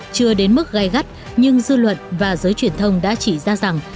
chưa đến mức gai gắt nhưng dư luận và giới truyền thông đã chỉ ra rằng